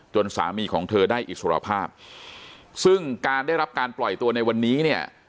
สามีของเธอได้อิสรภาพซึ่งการได้รับการปล่อยตัวในวันนี้เนี่ย